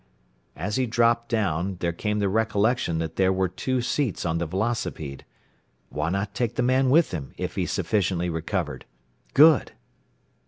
As he dropped down there came the recollection that there were two seats on the velocipede. Why not take the man with him, if he sufficiently recovered? Good!